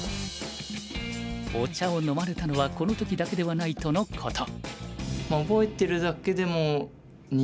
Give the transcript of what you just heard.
お茶を飲まれたのはこの時だけではないとのこと。